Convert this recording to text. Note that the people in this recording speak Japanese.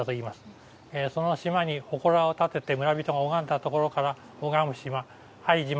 その島にほこらを建てて村人が拝んだところから「拝む島」